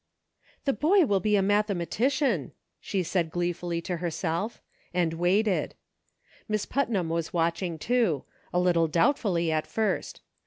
"The boy will be a mathematician," she said gleefully to herself, and waited. Miss Putnam was watching, too ; a little doubtfully at first.